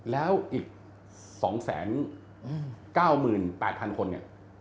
แล้วอีก๒๙๘๐๐๐คนเนี่ย